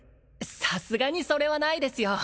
さすがにそれはないですよ